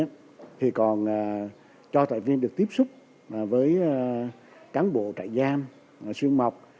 thì còn cho trại viên được tiếp xúc với cán bộ trại giam xương mọc